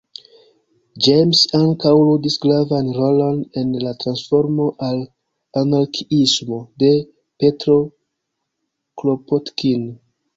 James ankaŭ ludis gravan rolon en la transformo al anarkiismo de Petro Kropotkin.